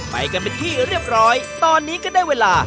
ไปกันเป็นที่เรียบร้อยตอนนี้ก็ได้เวลา